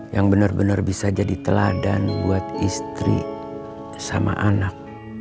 yang benar benar bisa jadi teladan buat istri sama anak